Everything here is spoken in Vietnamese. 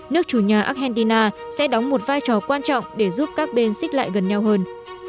nước chủ nhà argentina sẽ đóng một vai trò quan trọng để giúp các bên xích lại gần nhau hơn